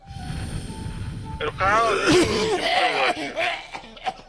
Lqaεa d yiwen seg imtiwag.